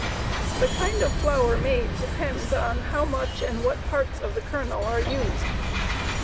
The kind of flour made depends on how much and what parts of the kernel are used.